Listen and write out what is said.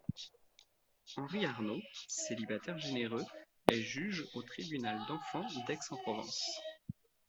Henri Arnaud, célibataire généreux, est juge au tribunal d'enfants d'Aix-en-Provence.